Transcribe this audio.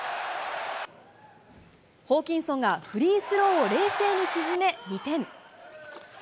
ホーキンソンがフリースローを冷静に沈め２点。